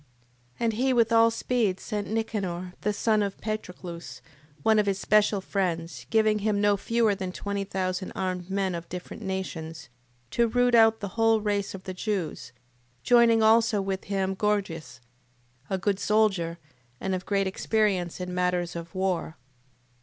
And he with all speed sent Nicanor, the son of Patroclus, one of his special friends, giving him no fewer than twenty thousand armed men of different nations, to root out the whole race of the Jews, joining also with him Gorgias, a good soldier, and of great experience in matters of war.